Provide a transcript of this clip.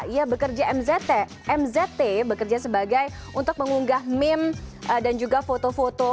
ia bekerja mzt mzt bekerja sebagai untuk mengunggah meme dan juga foto foto